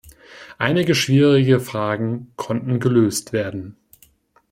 Einige schwierige Fragen konnten gelöst werden.